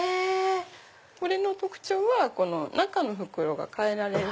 これの特徴は中の袋が替えられる。